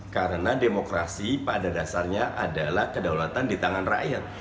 karena demokrasi pada dasarnya adalah kedaulatan di tangan rakyat